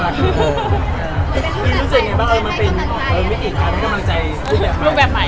รู้สึกยังไงว่ามันเป็นเหตุการณ์ให้กำมันใจ